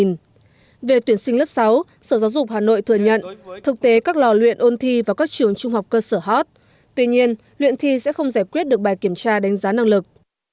về tuyển sinh lớp sáu sở giáo dục hà nội thừa nhận thực tế các lò luyện ôn thi vào các trường trung học cơ sở hot tuy nhiên luyện thi sẽ không giải quyết được bài kiểm tra đánh giá năng lực